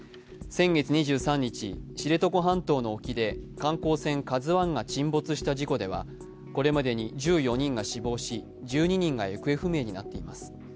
先月２３日、知床半島の沖で観光船「ＫＡＺＵⅠ」が沈没した事故ではこれまでに１４人が死亡し、１２人が行方不明になっています。